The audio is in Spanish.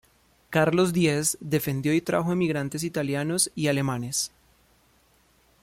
Carlos Díez defendió y trajo emigrantes italianos y alemanes.